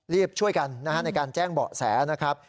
ช่วยกันในการแจ้งเบาะแสนะครับ